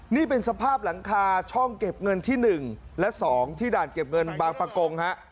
นี่เป็นสภาพหลังคาช่องเก็บเงินที่๑และ๒ที่ด่านเก็บเงินบางประกงฮะ